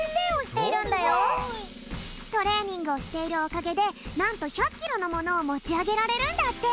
トレーニングをしているおかげでなんと１００キロのものをもちあげられるんだって。